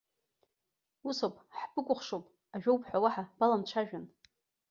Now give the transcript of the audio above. Ус ауп, ҳбыкәыхшоуп, ажәоуп ҳәа уаҳа баламцәажәан.